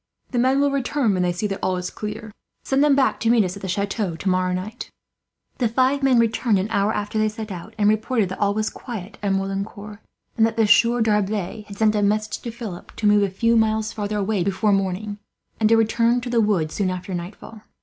The men will return when they see that all is clear. Send them back to meet us at the chateau, tomorrow night." The five men returned an hour after they set out, and reported that all was quiet at Merlincourt; and that the Sieur D'Arblay had sent a message, to Philip, to move a few miles farther away before morning, and to return to the wood soon after nightfall.